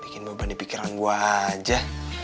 bikin beban di pikiran gue aja